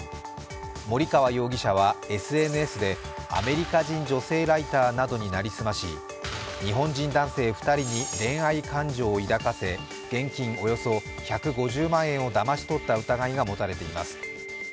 森川容疑者はＳＮＳで、アメリカ人女性ライターなどに成り済まし、日本人男性２人に恋愛感情を抱かせ現金およそ１５０万円をだまし取った疑いが持たれています。